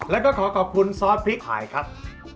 แล้วก็ขอขอบคุณซอสพริกหายครับ